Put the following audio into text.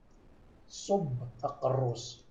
Tṣubb aqerru-s.